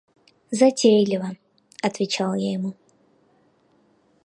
– Затейлива, – отвечал я ему.